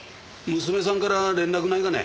娘さんから連絡ないかね？